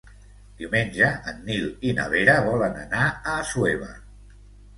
Diumenge en Nil i na Vera volen anar a Assuévar.